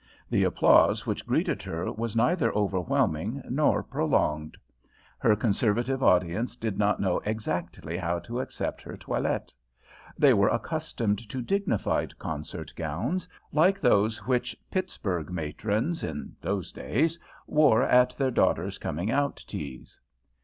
The applause which greeted her was neither overwhelming nor prolonged. Her conservative audience did not know exactly how to accept her toilette. They were accustomed to dignified concert gowns, like those which Pittsburgh matrons (in those days!) wore at their daughters' coming out teas.